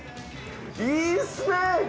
いいっすね！